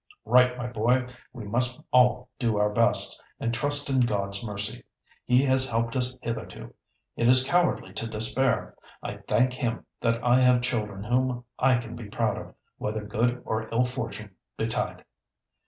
"Right, my boy; we must all do our best, and trust in God's mercy. He has helped us hitherto. It is cowardly to despair. I thank Him that I have children whom I can be proud of, whether good or ill fortune betide."